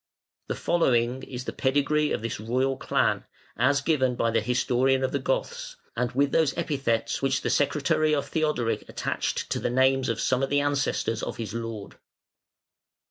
The following is the pedigree of this royal clan, as given by the historian of the Goths, and with those epithets which the secretary of Theodoric attached to the names of some of the ancestors of his lord.